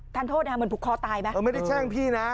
โทษนะคะเหมือนผูกคอตายไหมเออไม่ได้แช่งพี่นะ